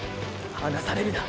離されるな！！